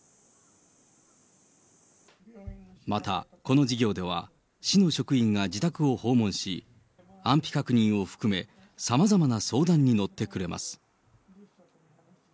またこの事業では、市の職員が自宅を訪問し、安否確認を含め、さまざまな相談に乗ってくれます。